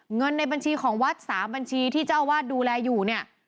เงินในบัญชีของวัดสามบัญชีที่เจ้าวาดดูแลอยู่